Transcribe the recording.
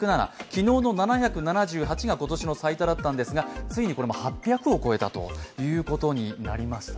昨日の７７８が今年の最多だったんですが、ついに８００を超えたということになります。